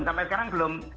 sampai sekarang belum